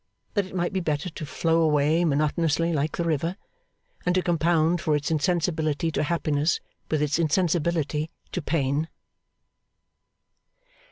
that it might be better to flow away monotonously, like the river, and to compound for its insensibility to happiness with its insensibility to pain.